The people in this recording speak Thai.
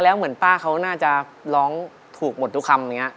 แล้วเมื่อป้าเขาน่าจะร้องถูกหมดทุกคำนะสิ